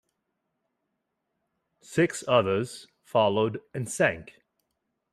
Six others followed and sank.